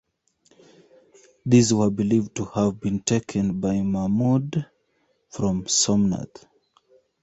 These were believed to have been taken by Mahmud from Somnath.